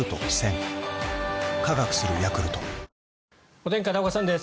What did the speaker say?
お天気、片岡さんです。